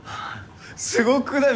すごくない？